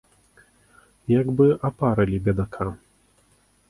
Як бы апарылі бедака.